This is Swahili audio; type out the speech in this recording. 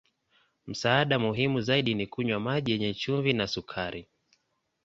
Msaada muhimu zaidi ni kunywa maji yenye chumvi na sukari.